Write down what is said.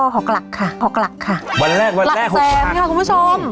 หกหลักค่ะหกหลักค่ะวันแรกวันหลักแสนค่ะคุณผู้ชม